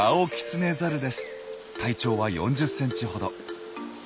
体長は４０センチほど。